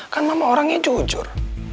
kan mama orangnya jujur